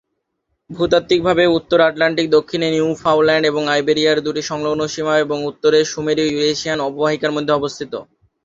ভূতাত্ত্বিকভাবে, উত্তর আটলান্টিক দক্ষিণে নিউফাউন্ডল্যান্ড এবং আইবেরিয়ায় দুটি সংলগ্ন সীমা এবং উত্তরে সুমেরু ইউরেশিয়ান অববাহিকার মধ্যে অবস্থিত।